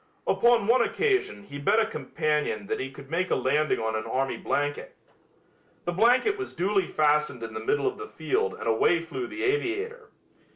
Upon one occasion he bet a companion that he could make a landing on an army blanket. The blanket was duly fastened in the middle of the field and away flew the aviator.